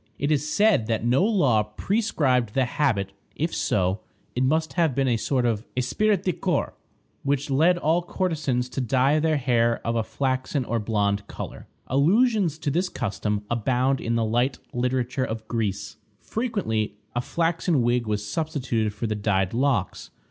It is said that no law prescribed the habit; if so, it must have been a sort of esprit de corps which led all courtesans to dye their hair of a flaxen or blonde color. Allusions to this custom abound in the light literature of Greece. Frequently a flaxen wig was substituted for the dyed locks.